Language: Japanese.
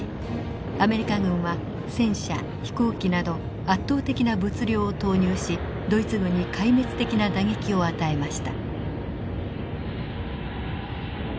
アメリカ軍は戦車飛行機など圧倒的な物量を投入しドイツ軍に壊滅的な打撃を与えました。